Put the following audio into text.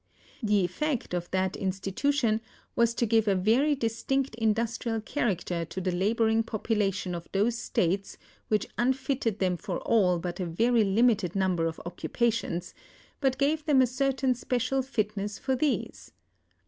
The effect of that institution was to give a very distinct industrial character to the laboring population of those States which unfitted them for all but a very limited number of occupations, but gave them a certain special fitness for these.